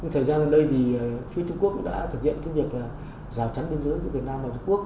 thời gian hôm nay thì phía trung quốc đã thực hiện công việc là rào chắn bên dưới giữa việt nam và trung quốc